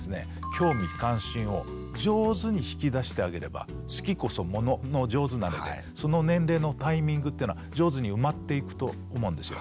興味関心を上手に引き出してあげれば好きこそ物の上手なれでその年齢のタイミングっていうのは上手に埋まっていくと思うんですよ。